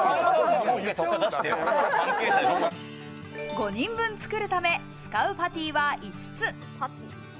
５人分作るため、使うパティは５つ。